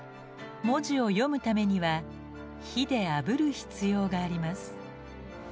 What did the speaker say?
文字を読むためには火であぶる必要があります。